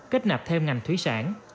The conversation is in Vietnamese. kết nạp thêm ngành thủy sản